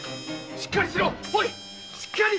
しっかりしろ！